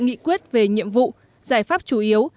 nghị quyết về nhiệm vụ giải pháp chủ yếu